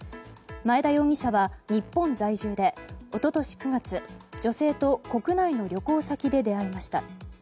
マエダ容疑者は日本在住で一昨年９月女性と国内の旅行先で出会いました。